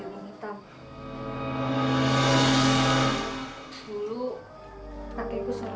jadi mereka yang melakukan itu semua